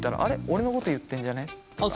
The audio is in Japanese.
俺のこと言ってんじゃね？とか。